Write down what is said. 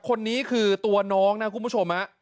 คนนี้คือตัวน้องนะคุณผู้ชม